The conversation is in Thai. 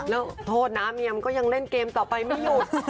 แล้วโทษนะเมียมันก็ยังเล่นเกมต่อไปไม่หยุด